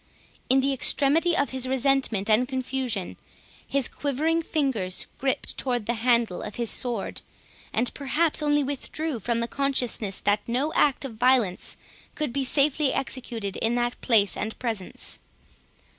In the extremity of his resentment and confusion, his quivering fingers griped towards the handle of his sword, and perhaps only withdrew, from the consciousness that no act of violence could be safely executed in that place and presence.